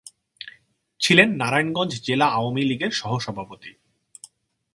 ছিলেন নারায়ণগঞ্জ জেলা আওয়ামী লীগের সহসভাপতি।